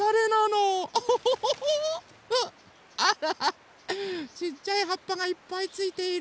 あらちっちゃいはっぱがいっぱいついている。